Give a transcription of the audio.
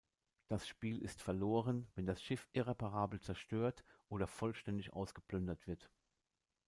Das Spiel ist verloren, wenn das Schiff irreparabel zerstört oder vollständig ausgeplündert wird.